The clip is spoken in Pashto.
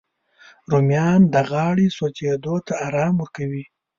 رومیان د غاړې سوځېدو ته ارام ورکوي